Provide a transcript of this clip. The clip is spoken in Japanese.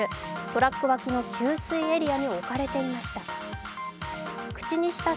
トラック脇の給水エリアに置かれていました。